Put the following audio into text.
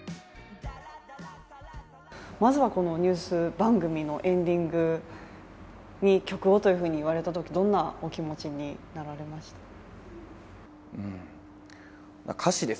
まずはこのニュース番組のエンディングに曲をと言われたとき、どんなお気持ちになられましたか？